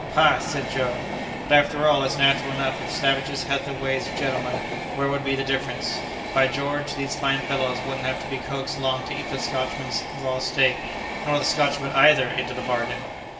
"Pah!" said Joe, "but, after all, it's natural enough. If savages had the ways of gentlemen, where would be the difference? By George, these fine fellows wouldn't have to be coaxed long to eat the Scotchman's raw steak, nor the Scotchman either, into the bargain!"